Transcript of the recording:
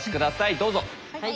どうぞ。